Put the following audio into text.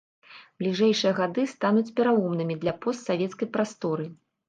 Бліжэйшыя гады стануць пераломнымі для постсавецкай прасторы.